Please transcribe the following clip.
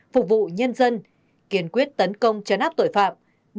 phục vụ nhân dân kiến quyết tấn công trấn áp tội phạm